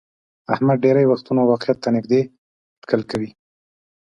احمد ډېری وختونه واقعیت ته نیږدې هټکل کوي.